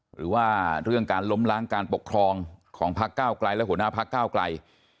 หรือว่าเรื่องการล้มล้างการปกครองของพักเก้าไกลและหัวหน้าพักก้าวไกล